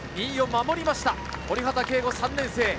２位を守りました、堀畑佳吾・３年生。